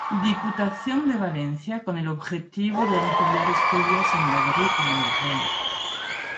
Diputación de Valencia, con el objetivo de ampliar estudios en Madrid y en Roma.